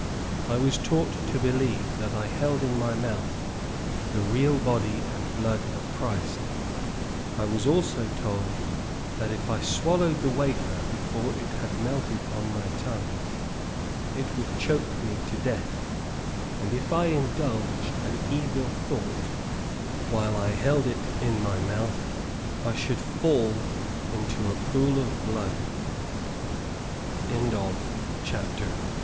I was taught to believe that I held in my mouth the real body and blood of Christ. I was also told that if I swallowed the wafer before it had melted on my tongue, IT WOULD CHOKE ME TO DEATH; and if I indulged an evil thought while I held it in my mouth I SHOULD FALL INTO A POOL OF BLOOD. CHAPTER III. THE NURSERY.